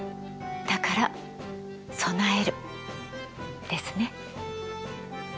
だから備えるですね。